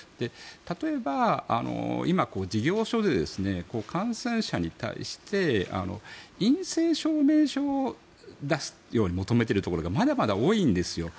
例えば、今、事業所で感染者に対して陰性証明書を出すように求めているところがまだまだ多いんですよ。